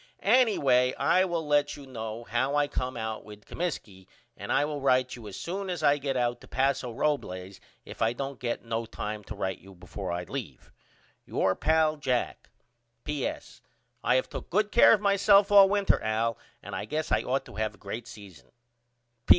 Anyway I will let you know how I come out with Comiskey and I will write you as soon as I get out to Paso Robles if I don't get no time to write you before I leave. Your pal, JACK. P.S. I have took good care of myself all winter Al and I guess I ought to have a great season.